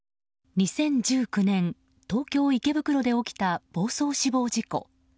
２０１９年東京・池袋で起きた暴走死亡事故。